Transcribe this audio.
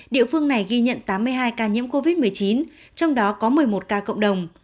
địa phương này ghi nhận tám mươi hai ca nhiễm covid một mươi chín trong đó có một mươi một ca cộng đồng